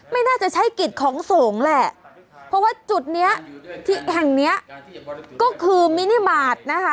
ไม่น่าจะใช้กิจของสงฆ์แหละเพราะว่าจุดเนี้ยที่แห่งเนี้ยก็คือมินิมาตรนะคะ